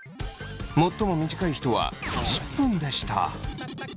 最も短い人は１０分でした。